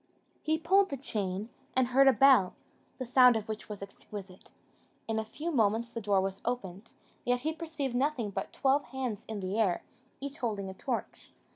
He pulled the chain, and heard a bell, the sound of which was exquisite. In a few moments the door was opened; yet he perceived nothing but twelve hands in the air, each holding a torch.